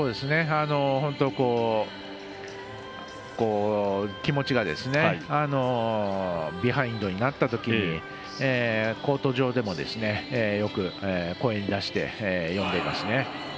本当、気持ちがビハインドになったときにコート上でもよく声に出して読んでいますね。